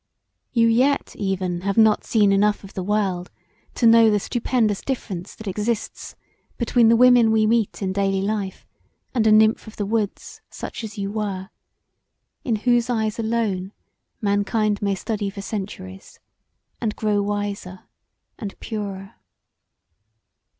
You yet even have not seen enough of the world to know the stupendous difference that exists between the women we meet in dayly life and a nymph of the woods such as you were, in whose eyes alone mankind may study for centuries & grow wiser & purer.